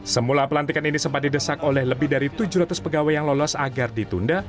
semula pelantikan ini sempat didesak oleh lebih dari tujuh ratus pegawai yang lolos agar ditunda